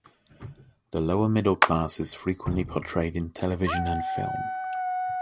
The lower-middle class is frequently portrayed in television and film.